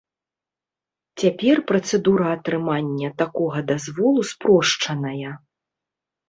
Цяпер працэдура атрымання такога дазволу спрошчаная.